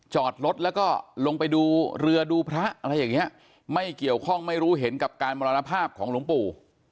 จอดรถแล้วก็ลงไปดูเรือดูพระอะไรอย่างเงี้ยไม่เกี่ยวข้องไม่รู้เห็นกับการมรณภาพของหลวงปู่